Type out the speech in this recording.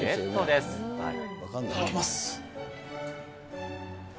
いただきます。